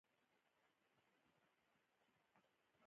د افغانستان قومونه په ګډه افغان واحد ملت جوړوي.